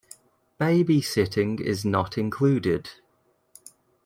Babysitting is not included.